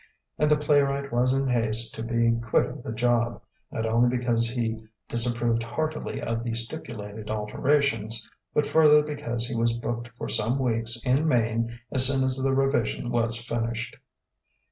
And the playwright was in haste to be quit of the job, not only because he disapproved heartily of the stipulated alterations, but further because he was booked for some weeks in Maine as soon as the revision was finished.